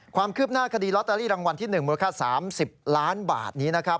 ความคืบหน้าคดีลอตเตอรี่รางวัลที่๑มูลค่า๓๐ล้านบาทนี้นะครับ